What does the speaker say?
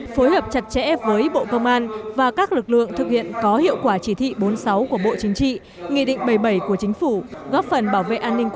phối hợp chặt chẽ với bộ công an và các lực lượng thực hiện có hiệu quả chỉ thị bốn mươi sáu của bộ chính trị